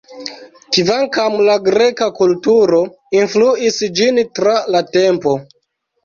Kvankam la greka kulturo influis ĝin tra la tempo.